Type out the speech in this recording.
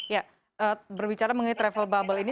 ya berbicara mengenai travel bubble ini